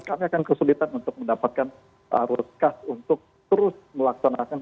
kami akan kesulitan untuk mendapatkan arus kas untuk terus melaksanakan